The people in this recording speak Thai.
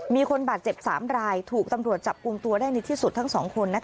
มีคนบาดเจ็บ๓รายถูกตำรวจจับกลุ่มตัวได้ในที่สุดทั้ง๒คน